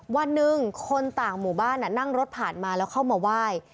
วันหนึ่งคนต่างหมู่บ้านนั่งรถผ่านมาแล้วเข้ามาไหว้